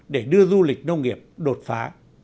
để đưa du lịch nông nghiệp đột phá